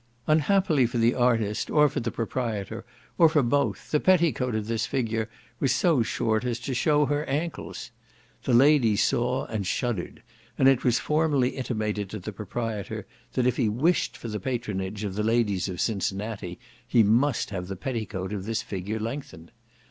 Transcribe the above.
Unhappily for the artist, or for the proprietor, or for both, the petticoat of this figure was so short as to shew her ancles. The ladies saw, and shuddered; and it was formally intimated to the proprietor, that if he wished for the patronage of the ladies of Cincinnati, he must have the petticoat of this figure lengthened.